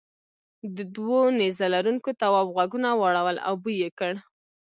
دوو نیزه لرونکو تواب غوږونه واړول او بوی یې کړ.